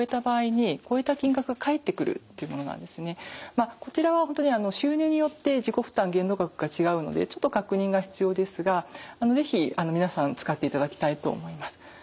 まずはこちらは収入によって自己負担限度額が違うのでちょっと確認が必要ですが是非皆さん使っていただきたいと思います。